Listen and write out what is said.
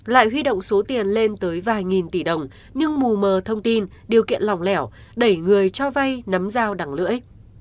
lại huy động số tiền lên tới vài nghìn tỷ đồng nhưng mù mờ thông tin điều kiện lỏng lẻo đẩy người cho vai nắm dao đằng lưỡi